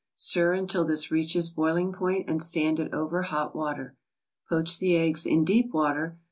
Stir until this reaches boiling point, and stand it over hot water. Poach the eggs in deep water.